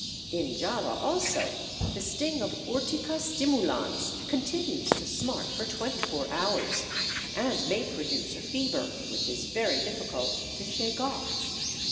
In Java also the sting of Urtica stimulans continues to smart for twenty four hours, and may produce a fever which is very difficult to shake off.